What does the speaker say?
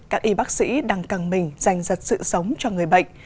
các y bác sĩ đang căng mình danh dật sự sống cho người bệnh